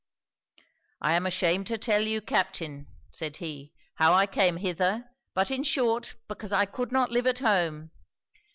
'"I am ashamed to tell you, Captain," said he, "how I came hither; but in short because I could not live at home.